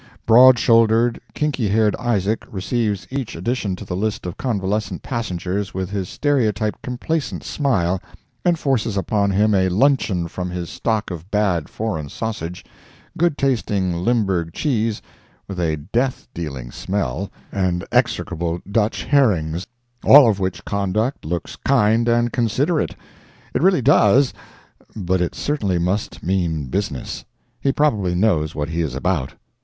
Broad shouldered, kinky haired Isaac receives each addition to the list of convalescent passengers with his stereotyped complacent smile, and forces upon him a luncheon from his stock of bad foreign sausage, good tasting Limberg cheese, with a death dealing smell, and execrable Dutch herrings—all of which conduct looks kind and considerate—it really does but it certainly must mean business. He probably knows what he is about.